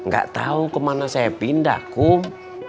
gak tau kemana saya pindah kum